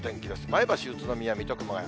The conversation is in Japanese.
前橋、宇都宮、水戸、熊谷。